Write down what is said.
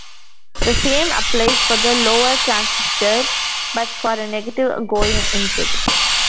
The same applies for the lower transistor but for a negative-going input.